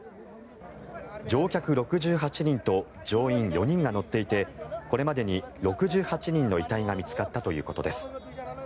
乗客６８人と乗員４人が乗っていてこれまでに６８人の遺体が見つかったということです。